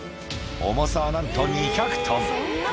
重さはなんと２００トン。